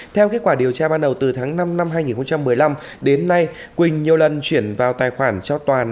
theo kết quả điều tra ban đầu từ tháng năm năm hai nghìn một mươi năm đến nay quỳnh nhiều lần chuyển vào tài khoản cho toàn